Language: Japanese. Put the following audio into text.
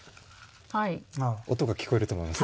音が聞こえると思います。